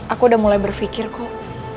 aku udah mulai berpikir kok